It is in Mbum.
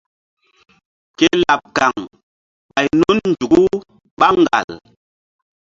Ke laɓ kaŋ ɓay nun nzuku ɓá ŋgal.